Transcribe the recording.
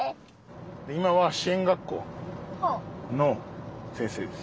今は支援学校の先生です。